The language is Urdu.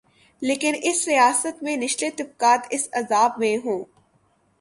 لیکن اس ریاست میں نچلے طبقات اس عذاب میں ہوں۔